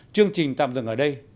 chương trình tạm dừng ở đây